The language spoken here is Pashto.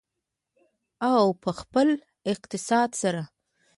او په خپل اقتصاد سره.